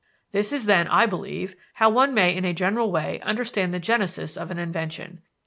"This is then, I believe, how one may in a general way understand the genesis of an invention.